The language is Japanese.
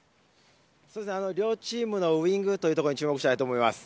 両チームのウイングというところに注目したいと思います。